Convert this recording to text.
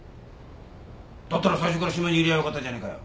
だったら最初から島にいりゃよかったじゃねえかよ。